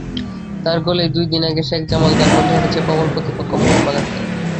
তাঁর গোলেই দুই দিন আগে শেখ জামাল ধানমন্ডি হারিয়েছে প্রবল প্রতিপক্ষ মোহনবাগানকে।